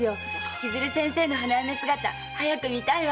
千鶴先生の花嫁姿早く見たいわ！